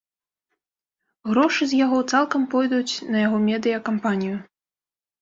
Грошы з яго цалкам пойдуць на яго медыя-кампанію.